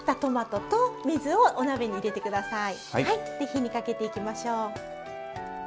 火にかけていきましょう。